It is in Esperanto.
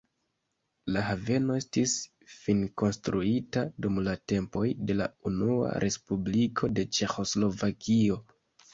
La haveno estis finkonstruita dum la tempoj de la Unua respubliko de Ĉeĥoslovakio.